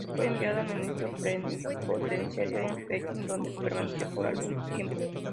Fue enviado al Ministro Plenipotenciario en Pekín, donde permaneció por algún tiempo.